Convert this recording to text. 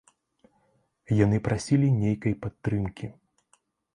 Яны прасілі нейкай падтрымкі.